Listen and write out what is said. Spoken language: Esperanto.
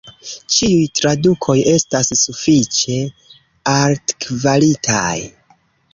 Ĉiuj tradukoj estas sufiĉe altkvalitaj.